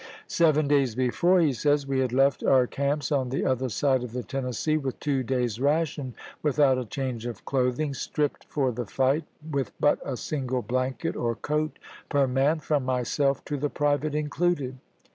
" Seven days before," he says, " we had left our camps on the other side of the Tennessee with two days' rations, without a change of clothing, stripped for the fight, with but a single blanket or coat per man, from myself to the private included."